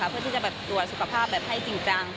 เพื่อที่จะตรวจสุขภาพแบบให้จริงจัง